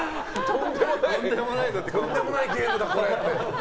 とんでもないゲームだったって。